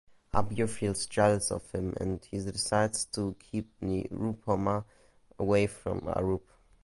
Abir feels jealous of him and he decides to keep Nirupoma away from Arup.